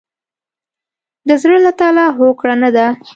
د زړه له تله هوکړه نه ده.